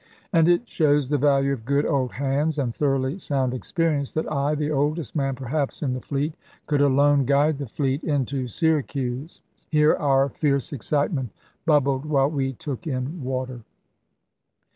And it shows the value of good old hands, and thoroughly sound experience, that I, the oldest man perhaps in the fleet, could alone guide the fleet into Syracuse. Here our fierce excitement bubbled while we took in water.